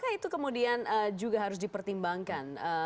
apakah itu kemudian juga harus dipertimbangkan